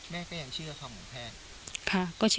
แม่ก็ยังเชื่อคำของแพทย์